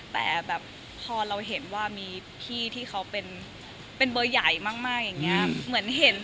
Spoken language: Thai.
แต่แบบพอเราเห็นว่ามีพี่ที่เขาเป็นเป็นเบอร์ใหญ่มากอย่างนี้